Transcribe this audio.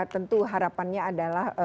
tentu harapannya adalah